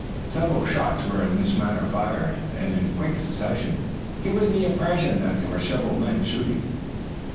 Several shots were in this manner fired, and in quick succession, giving the impression that there were several men shooting.